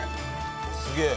すげえ！